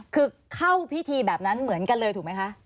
คือเข้าพิธีแบบนั้นเหมือนกันเลยถูกไหมคะ